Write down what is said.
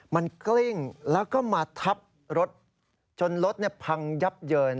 มันกลิ้งแล้วก็มาทับรถจนรถพังยับเยิน